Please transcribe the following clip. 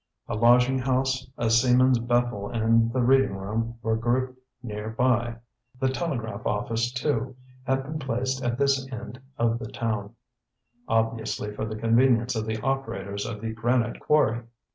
A lodging house, a seaman's Bethel and the Reading room were grouped near by; the telegraph office, too, had been placed at this end of the town; obviously for the convenience of the operators of the granite quarry.